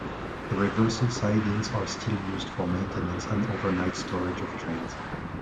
The reversal sidings are still used for maintenance and overnight storage of trains.